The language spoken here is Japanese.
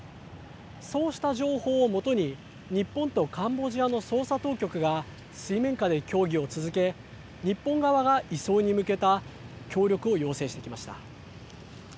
そうした情報を基に、日本とカンボジアの捜査当局が水面下で協議を続け、日本側が移送に向けた協力を要請してきました。